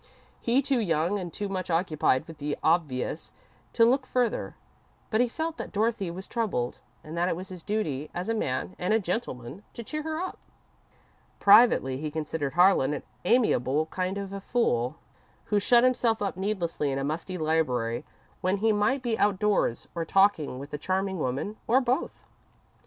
He was too young and too much occupied with the obvious to look further, but he felt that Dorothy was troubled, and that it was his duty, as a man and a gentleman, to cheer her up. Privately, he considered Harlan an amiable kind of a fool, who shut himself up needlessly in a musty library when he might be outdoors, or talking with a charming woman, or both.